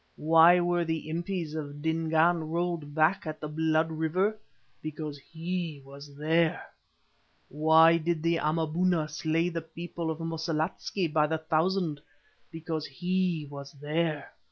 Why were the Impis of Dingaan rolled back at the Blood River? Because he was there. Why did the Amaboona slay the people of Mosilikatze by the thousand? Because he was there.